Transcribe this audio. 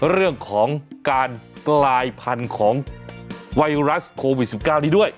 เรื่องของการกลายพันธุ์ของไวรัสโควิด๑๙นี้ด้วย